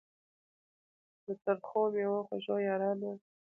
د ترخو میو خوږو یارانو